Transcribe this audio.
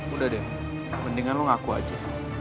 udah deh mendingan lo ngaku aja